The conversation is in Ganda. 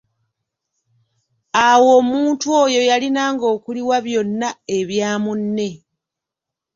Awo omuntu oyo yalinanga okuliwa byonna ebya munne.